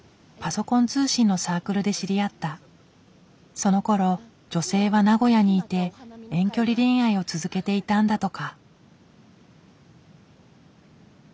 そのころ女性は名古屋にいて遠距離恋愛を続けていたんだとか。